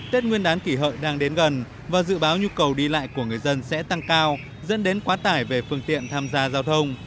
tết nguyên đán kỷ hợi đang đến gần và dự báo nhu cầu đi lại của người dân sẽ tăng cao dẫn đến quá tải về phương tiện tham gia giao thông